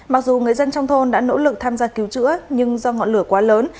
mặc dù người dân trong thôn đã nỗ lực tham gia cứu chữa nhưng do ngọn lửa quá lớn